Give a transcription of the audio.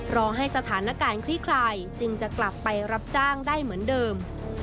รอให้สถานการณ์คลี่คลายจึงจะกลับไปรับจ้างได้เหมือนเดิม